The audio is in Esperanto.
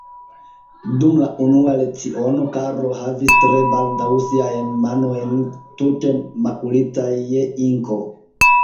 Dum la unua leciono, Karlo havis tre baldaŭ siajn manojn tute makulitaj je inko.